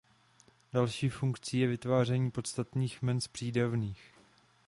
Další funkcí je vytváření podstatných jmen z přídavných.